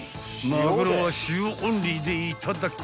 ［まぐろは塩オンリーでいただく］